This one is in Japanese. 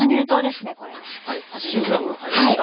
はい８０ｇ入りました。